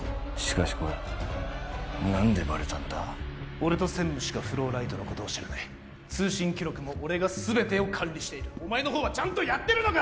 俺と専務しかフローライトのことを知らない通信記録も俺が全てを管理しているお前の方はちゃんとやってるのか！